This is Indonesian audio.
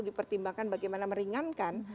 dipertimbangkan bagaimana meringankan